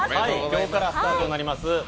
今日からスタートとなります。